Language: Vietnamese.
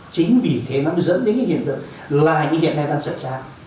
chính vì thế nó mới dẫn đến cái hiện tượng là như hiện nay đang xảy ra